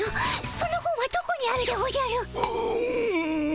その本はどこにあるでおじゃる？